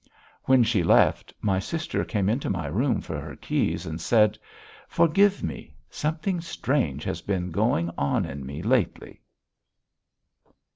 When she left, my sister came into my room for her keys and said: "Forgive me. Something strange has been going on in me lately."